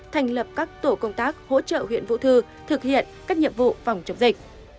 thành lập các tổ công tác hỗ trợ huyện vũ thư thực hiện các nhiệm vụ phòng chống dịch